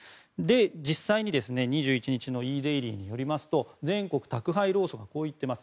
実際に２１日のＥｄａｉｌｙによりますと全国宅配労組がこう言っています。